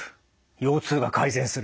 腰痛が改善する。